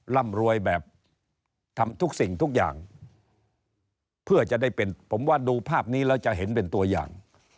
ร่ำรวยแบบทำทุกสิ่งทุกอย่างเพื่อจะได้เป็นผมว่าดูภาพนี้แล้วจะเห็นเป็นตัวอย่าง